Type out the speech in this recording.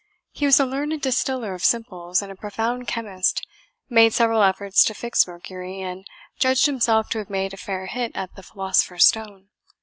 He was a learned distiller of simples, and a profound chemist made several efforts to fix mercury, and judged himself to have made a fair hit at the philosopher's stone.